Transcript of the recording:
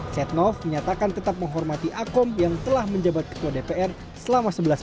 setnov menyatakan tetap menghormati akom yang telah menjabat ketua dpr selama sebelas bulan